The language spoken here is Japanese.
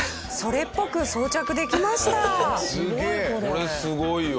これすごいわ。